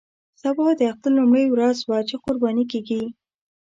سبا د اختر لومړۍ ورځ وه چې قرباني کېږي.